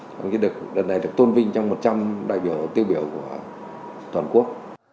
đồng chí được lần này được tôn vinh trong một trăm linh đại biểu tiêu biểu của toàn quốc